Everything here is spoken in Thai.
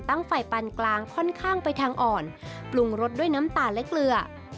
ตั้งไฟปันกลางค่อนข้างไปทางอ่อนปรุงรสด้วยน้ำตาลและเกลือ